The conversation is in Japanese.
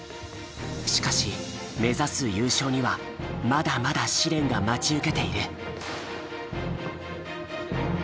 しかし目指す優勝にはまだまだ試練が待ち受けている。